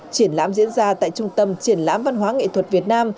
triển lãm diễn ra tại trung tâm triển lãm văn hóa nghệ thuật việt nam